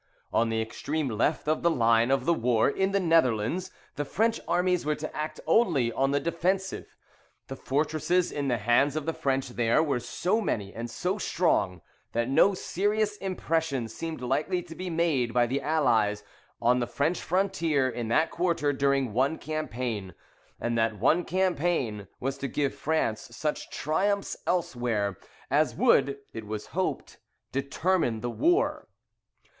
On the extreme left of the line of the war, in the Netherlands, the French armies were to act only on the defensive. The fortresses in the hands of the French there, were so many and so strong that no serious impression seemed likely to be made by the Allies on the French frontier in that quarter during one campaign; and that one campaign was to give France such triumphs elsewhere as would (it was hoped) determine the war.